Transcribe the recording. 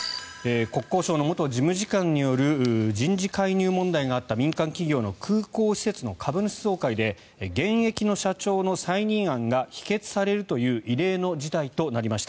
国交省の元事務次官による人事介入問題があった民間企業の空港施設の株主総会で現役の社長の再任案が否決されるという異例の事態となりました。